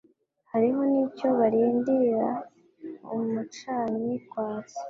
Hariho n' icyo barindira umucanyi kwatsa,